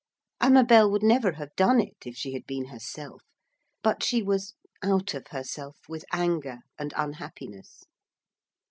Amabel would never have done it if she had been herself. But she was out of herself with anger and unhappiness.